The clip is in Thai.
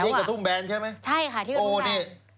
นี่กระทุ่มแบนใช่ไหมโอ้นี่ใช่ค่ะที่กระทุ่มแบน